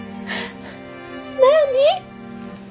何？